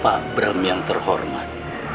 pak bram yang terhormat